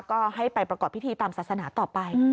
ก็ให้ไปประกอบพิธีตามศาสนาต่อไป